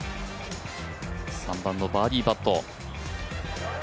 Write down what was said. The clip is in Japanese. ３番のバーディーパット。